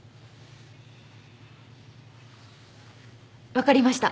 分かりました。